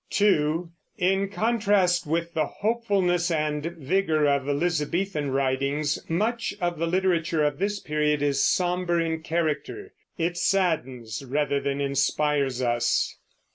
(2) In contrast with the hopefulness and vigor of Elizabethan writings, much of the literature of this period is somber in character; it saddens rather than inspires us.